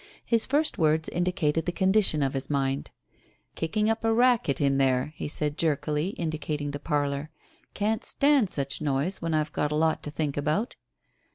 His first words indicated the condition of his mind. "Kicking up a racket in there," he said jerkily, indicating the parlour. "Can't stand such a noise when I've got a lot to think about."